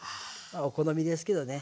お好みですけどね。